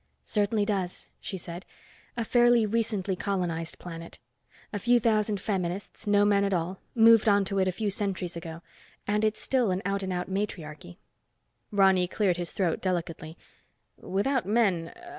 "Certainly does," she said. "A fairly recently colonized planet. A few thousand feminists no men at all—moved onto it a few centuries ago. And it's still an out and out matriarchy." Ronny cleared his throat delicately. "Without men